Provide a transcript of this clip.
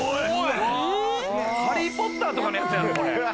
『ハリー・ポッター』とかのやつやで、これ。